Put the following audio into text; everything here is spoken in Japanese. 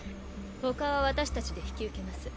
ほかは私たちで引き受けます。